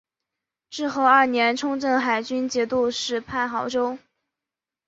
至和二年充镇海军节度使判亳州。